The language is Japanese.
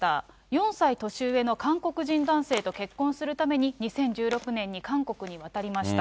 ４歳年上の韓国人男性と結婚するために２０１６年に韓国に渡りました。